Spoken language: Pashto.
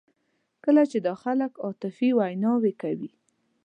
کله چې دا خلک عاطفي ویناوې کوي.